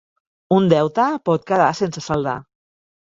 Un deute pot quedar sense saldar.